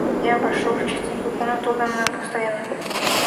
Я вошел в чистенькую комнатку, убранную по-старинному.